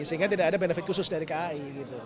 sehingga tidak ada benefit khusus dari kai